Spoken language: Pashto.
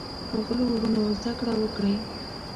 ښاغلو وروڼو زده کړه وکړئ.